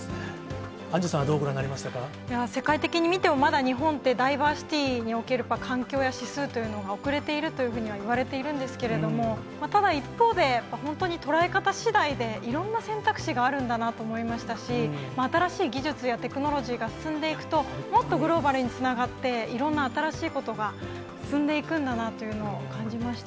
アンジュさんはどうご覧にな世界的に見てもまだ日本って、ダイバーシティーにおける環境や指数というのが遅れているというふうにはいわれているんですけれども、ただ、一方で、本当に捉え方次第でいろんな選択肢があるんだなと思いましたし、新しい技術やテクノロジーが進んでいくと、もっとグローバルにつながって、いろんな新しいことが進んでいくんだなというのを感じました。